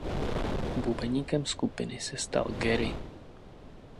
Bubeníkem skupiny se stal Gary.